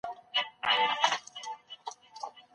دا د عملي ټولنپوهنې يوه برخه ګڼل کيږي.